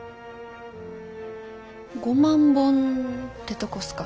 ５万本てとこっすか？